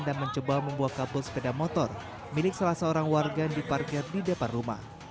dan mencoba membuat kabel sepeda motor milik salah seorang warga yang diparkir di depan rumah